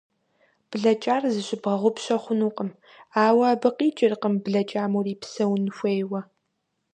Блэкӏар зыщыбгъэгъупщэ хъунукъым, ауэ абы къикӏыркъым блэкӏам урипсэун хуейуэ.